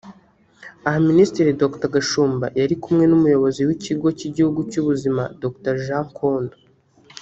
Aha Minisitiri Dr Gashumba yari kumwe n’ Umuyobozi w’ Ikigo cy’ igihugu cy’ Ubuzima Dr Jeanine Condo